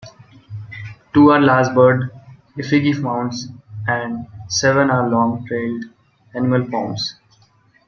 Two are large bird effigy mounds and seven are long-tailed animal forms.